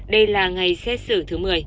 đây là ngày xét xử thứ một mươi